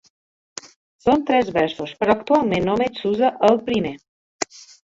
Són tres versos, però actualment només s'usa el primer.